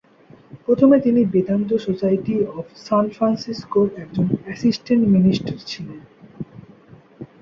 প্রথমে তিনি Vedanta society of San ফ্রান্সিসকোর একজন অ্যাসিস্ট্যান্ট মিনিস্টার ছিলে।